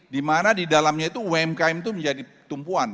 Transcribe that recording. dimana di dalamnya itu umkm itu menjadi tumpuan